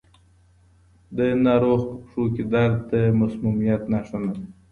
د ناروغ په پښو کې درد د مسمومیت نښه نه ده.